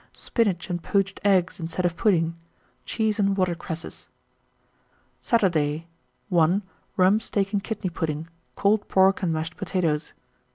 Spinach and poached eggs instead of pudding. Cheese and water cresses. 1930. Saturday. 1. Rump steak and kidney pudding, cold pork and mashed potatoes.